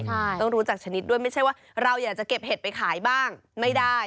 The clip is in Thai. ใช่ต้องรู้จักชนิดด้วยไม่ใช่ว่าเราอยากจะเก็บเห็ดไปขายบ้างไม่ได้